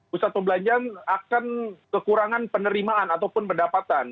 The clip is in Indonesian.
pusat perbelanjaan akan kekurangan penerimaan ataupun pendapatan